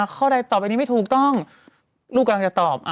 ข้อใดต่อไปนี้ไม่ถูกต้องลูกกำลังจะตอบ